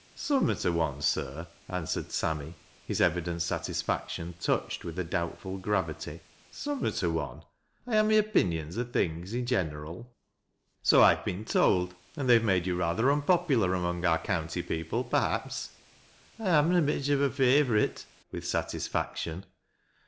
" Summat o' one, sir," answered Sammy, his evident satisfaction touched with a doubtful gravity. " Summat o' one. I ha' my opinions o' things i' gineral." " So I have been told ; and they have made you rather unpopular among our county people, perhaps ?"" I am na mich o' a favorite," with satisfaction.